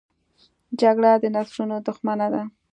جګړه د نسلونو دښمنه ده